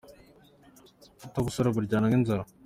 utabusore buryana nkinzara.